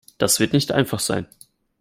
Das wird nicht einfach sein.